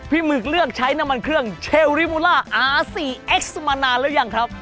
หมึกเลือกใช้น้ำมันเครื่องเชลริมูล่าอาสีเอ็กซ์มานานแล้วยังครับ